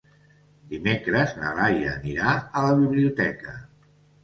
Dimecres na Laia anirà a la biblioteca.